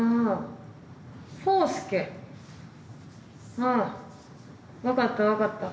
ああ分かった分かった。